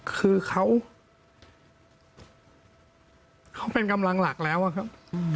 คือเขาเป็นกำลังหลักแล้วอะครับ